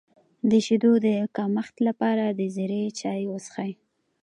د شیدو د کمښت لپاره د زیرې چای وڅښئ